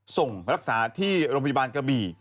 ส่งรักษาที่โรงพยาบาลกระบี่